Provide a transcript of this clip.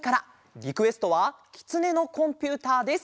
リクエストは「きつねのコンピューター」です。